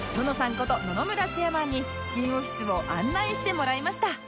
こと野々村チェアマンに新オフィスを案内してもらいました